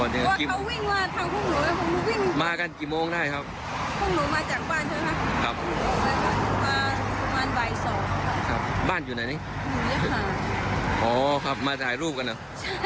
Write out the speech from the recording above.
ว่าเขาวิ่งมาเขาพ่อมากันกี่โมงได้ครับเขาหนูมาจากบ้านใช่ไหมครับ